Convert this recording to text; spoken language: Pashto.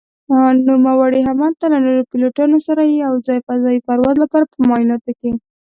نوموړي هملته له نورو پيلوټانو سره يو ځاى فضايي پرواز لپاره په معايناتو کې